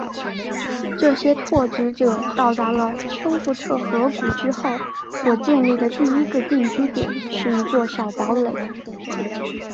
这些拓殖者到达了丘布特河谷之后所建立的第一个定居点是一座小堡垒。